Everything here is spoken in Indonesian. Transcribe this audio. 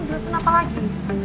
mau jelasin apa lagi